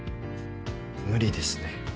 無理ですね。